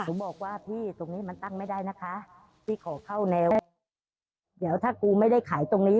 บอกว่าพี่ตรงนี้มันตั้งไม่ได้นะคะพี่ขอเข้าแนวเดี๋ยวถ้ากูไม่ได้ขายตรงนี้